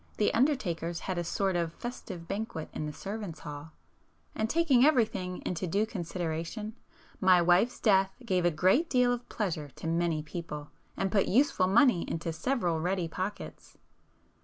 The undertakers had a sort of festive banquet in the servants' hall,—and taking everything into due consideration, my wife's death gave a great deal of pleasure to many people, and put useful money into several ready pockets.